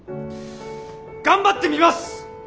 頑張ってみます！